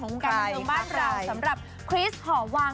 ของคุณกานที่เงินบ้านเราสำหรับคริสต์ขอบวาง